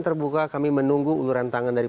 terbuka kami menunggu uluran tangan dari